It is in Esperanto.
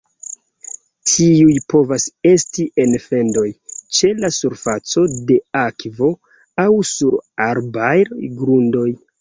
Tiuj povas esti en fendoj, ĉe la surfaco de akvo, aŭ sur arbaraj grundoj.